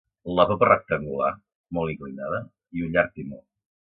La popa rectangular, molt inclinada, i un llarg timó.